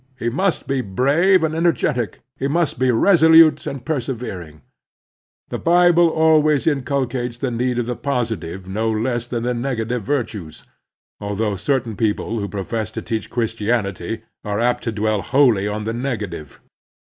He must be brave and energetic; he must be resolute and persevering. The Bible always in culcates the need of the positive no less than the negative virtues, although certain people who profess to teach Christianity are apt to dwell wholly on the negative.